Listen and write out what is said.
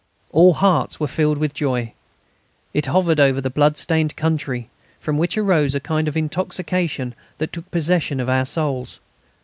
All hearts were filled with joy. It hovered over the blood stained country, from which arose a kind of intoxication that took possession of our souls.